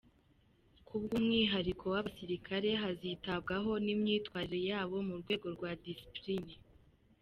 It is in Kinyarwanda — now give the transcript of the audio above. Kubw’umwihariko w’abasirikari hazitabwaho n’imyitwarire yabo mu rwego rwa discipline.